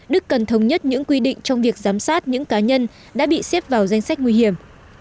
đức cần thống nhất những quy định trong việc giám sát những cá nhân đã bị xếp vào danh sách nguy hiểm